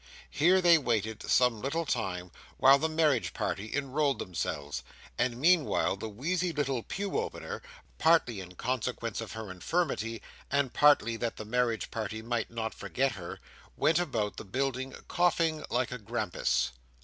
Here they waited some little time while the marriage party enrolled themselves; and meanwhile the wheezy little pew opener—partly in consequence of her infirmity, and partly that the marriage party might not forget her—went about the building coughing like a grampus.